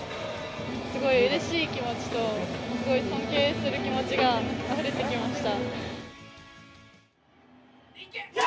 すごいうれしい気持ちと、すごい尊敬する気持ちが、あふれてきました。